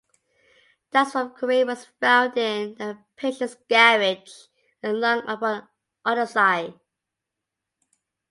Dust from Corian was found in the patient's garage and lung upon autopsy.